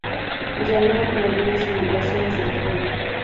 Llanura con algunas ondulaciones del terreno.